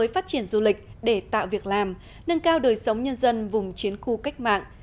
phát triển du lịch để tạo việc làm nâng cao đời sống nhân dân vùng chiến khu cách mạng